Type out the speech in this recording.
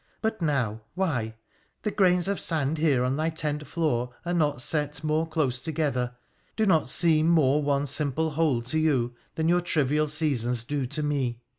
But now — why, the grains of sand here on thy tent floor are not set more close together — do not seem more one simple whole to you, than your trivial seasons do to me.